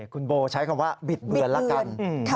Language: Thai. คุณโบใช้คำว่าบิดเบือนละกัน